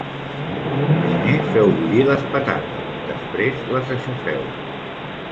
Primeu feu bullir les patates, després les aixafeu.